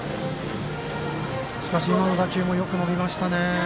今の打球もよく伸びましたね。